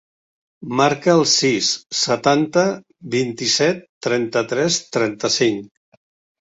Marca el sis, setanta, vint-i-set, trenta-tres, trenta-cinc.